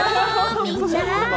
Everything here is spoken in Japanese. みんな！